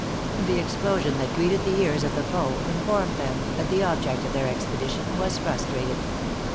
The explosion that greeted the ears of the foe, informed them that the object of their expedition was frustrated.